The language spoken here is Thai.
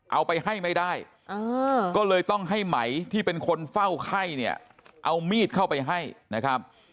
เอาไปให้ไม่ได้ก็เลยต้องให้ไหมที่เป็นคนเฝ้าไข้เนี่ยเอามีดเข้าไปให้นะครับ